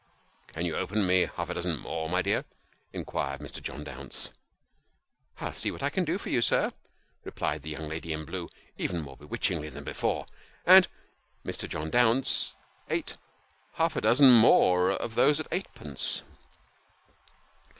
" Can you open me half a dozen more, my dear ?" inquired Mr. John Dounce. " I'll see what I can do for you, sir," replied the young lady in blue, even more bewitchingly than before ; and Mr. John Dounce eat half a dozen more of those at eightpence.